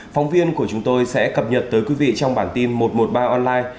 phóng viên của chúng tôi sẽ cập nhật tới quý vị trong bản tin một trăm một mươi ba online